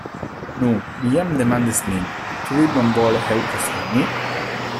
Nu, mi jam demandis min, ĉu vi bonvole helpos al mi?